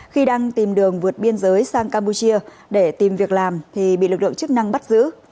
khi đang tìm đường vượt biên giới sang campuchia để tìm việc làm thì bị lực lượng chức năng bắt giữ